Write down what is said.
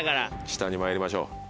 下にまいりましょう。